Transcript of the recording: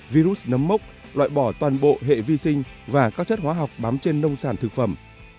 virus nấm mốc loại bỏ toàn bộ hệ vi sinh và các chất hóa học bám trên nông sản thực phẩm